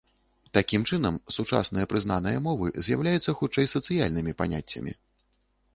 Такім чынам, сучасныя прызнаныя мовы з'яўляюцца хутчэй сацыяльнымі паняццямі.